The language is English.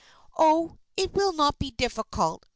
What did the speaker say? "Oh, it will not be difficult!"